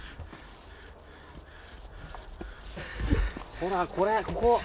ほらこれここ。